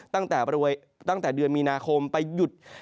ตั้งแต่เดือนมีนาคมไปหยุด